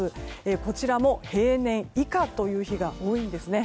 こちらも平年以下という日が多いんですね。